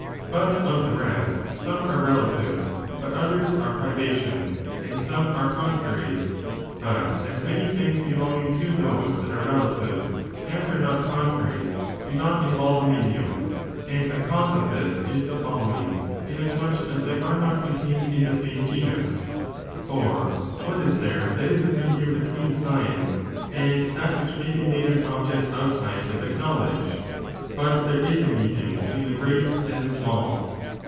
But of the rest some are relatives, but others are privation, and some are contraries. But as many things belonging to those that are relatives as are not contraries do not involve a medium. And a cause of this is the following, iuasmuch as they are not contained in the same genus ; for what is there that is a medium between science and that which may be made an object of scientific knowledge 1 but. there is a medium between the great and the small.